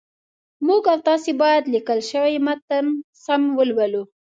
موږ او تاسي باید لیکل شوی متن سم ولولو